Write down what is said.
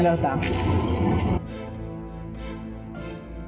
trước xét năng thiết kích